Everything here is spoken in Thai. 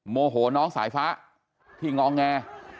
โมโหน้องสายฟ้าที่งอแง